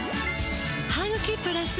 「ハグキプラス」